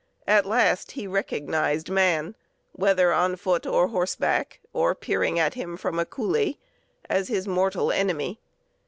At last he recognized man, whether on foot or horseback, or peering at him from a coulée, as his mortal enemy.